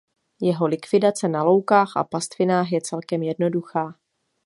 Jeho likvidace na loukách a pastvinách je celkem jednoduchá.